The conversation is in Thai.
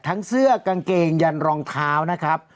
เสื้อกางเกงยันรองเท้านะครับ